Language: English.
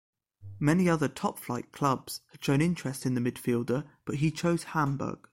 Many other top-flight clubs had shown interest in the midfielder but he chose Hamburg.